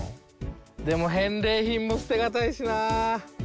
でも返礼品も捨てがたいしなあ。